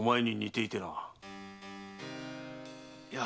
いや。